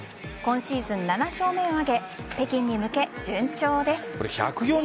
今シーズン７勝目を挙げ北京に向け順調です。